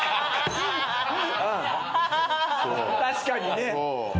確かにね。